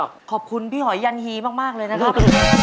ขอบคุณพี่หอยยันฮีมากเลยนะครับ